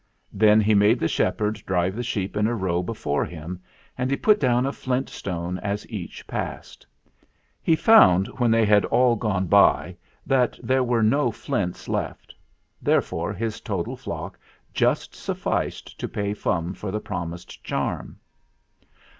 Then he made the shepherd drive the sheep in a row before him, and he put down a flint stone as each passed. He found when they had all gone by that there were no flints left. Therefore his total flock just sufficed to pay Fum for the promised charm.